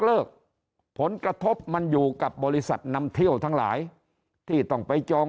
เลิกผลกระทบมันอยู่กับบริษัทนำเที่ยวทั้งหลายที่ต้องไปจอง